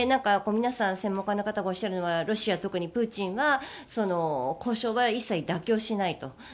皆さん専門家の方がおっしゃるのはロシア、特にプーチンは交渉は一切妥協しないと。